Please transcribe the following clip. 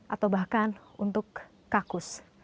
atau bahkan untuk kakus